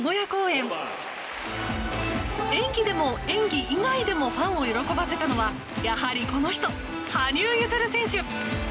演技でも、演技以外でもファンを喜ばせたのはやはりこの人、羽生結弦選手！